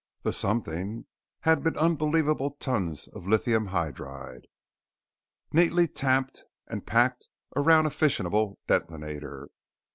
The "Something" had been unbelievable tons of lithium hydride, neatly tamped and packed around a fissionable detonator.